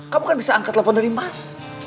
kamu kan bisa angkat telepon dari mas